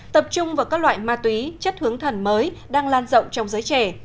tập trung vào các loại ma túy chất hướng thần mới đang lan rộng trong giới trẻ